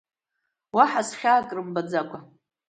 Уаҳа схьаак рымбаӡакәа…